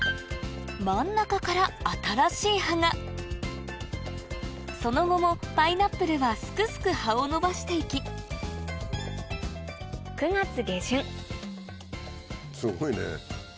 真ん中から新しい葉がその後もパイナップルはすくすく葉を伸ばして行きすごいね。